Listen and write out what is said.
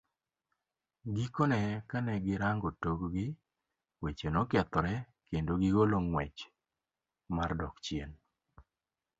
Gikone kane girango tok gi, weche nokethore, kendo gigolo ng'wech mar dok chien.